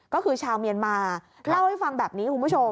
ก็คือชาวเมียนมาเล่าให้ฟังแบบนี้คุณผู้ชม